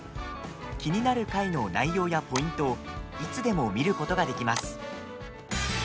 気になる回の内容やポイントをいつでも見ることができます。